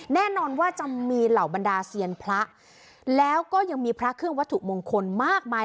แน่นอนว่าจะมีเหล่าบรรดาเซียนพระแล้วก็ยังมีพระเครื่องวัตถุมงคลมากมาย